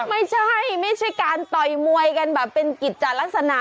ไม่ใช่ไม่ใช่การต่อยมวยกันแบบเป็นกิจจัดลักษณะ